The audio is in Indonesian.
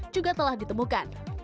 juga telah ditemukan